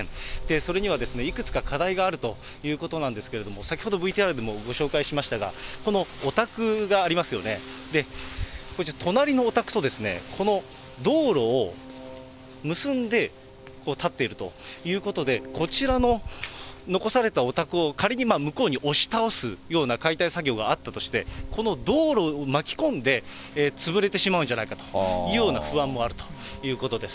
それには、いくつか課題があるということなんですけども、先ほど、ＶＴＲでもご紹介しましたが、このお宅がありますよね、隣のお宅とですね、この道路を結んで建っているということで、こちらの残されたお宅を、仮に向こうに押し倒すような解体作業があったとして、この道路を巻き込んで、潰れてしまうんじゃないかというような不安もあるということです。